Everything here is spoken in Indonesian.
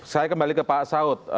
saya kembali ke pak saud